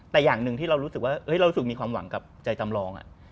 แต่อย่างหนึ่งที่เรารู้สึกว่าเรารู้สึกมีความหวังกับใจจำลอง